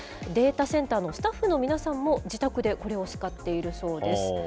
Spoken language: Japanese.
データセンターのスタッフの皆さんも、自宅でこれを使っているそうです。